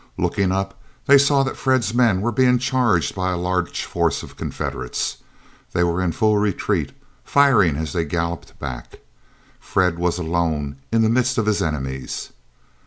Looking up they saw that Fred's men were being charged by a large force of Confederates. They were in full retreat, firing as they galloped back. Fred was alone in the midst of his enemies.